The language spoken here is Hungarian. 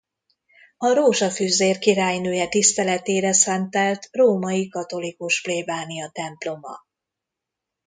A Rózsafüzér királynője tiszteletére szentelt római katolikus plébániatemploma.